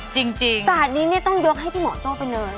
ตระหนดนี้ต้องยกให้ผู้หมาจอเป็นเลย